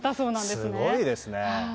すごいですね。